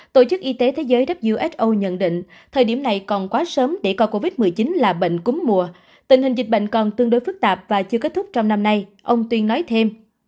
tổ chức y tế thế giới who nhận định thời điểm này còn quá sớm để coi covid một mươi chín là bệnh cúm mùa tình hình dịch bệnh còn tương đối phức tạp và chưa kết thúc trong năm nay ông tuyên nói thêm